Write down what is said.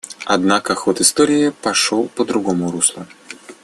Однако ход истории пошел по другому руслу.